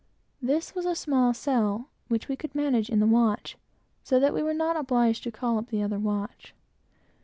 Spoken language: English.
This was a small sail, which we could manage in the watch, so that we were not obliged to call up the other watch.